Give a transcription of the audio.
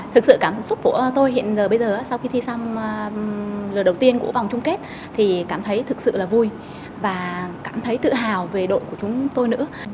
thực sự cảm xúc của tôi hiện giờ bây giờ sau khi thi xong lần đầu tiên của vòng chung kết thì cảm thấy thực sự là vui và cảm thấy tự hào về đội của chúng tôi nữa